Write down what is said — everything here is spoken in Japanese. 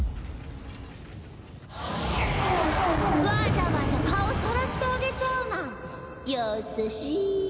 わざわざ顔さらしてあげちゃうなんて優しい！